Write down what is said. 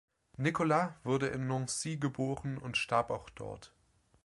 Nicholas wurde in Nancy geboren und starb auch dort.